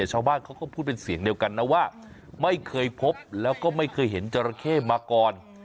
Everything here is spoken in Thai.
ชาวบ้านเขาก็พูดเป็นเสียงเดียวกันนะว่าไม่เคยพบแล้วก็ไม่เคยเห็นจราเข้มาก่อน